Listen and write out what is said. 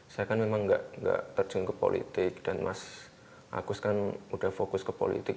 saya kan memang nggak terjun ke politik dan mas agus kan udah fokus ke politik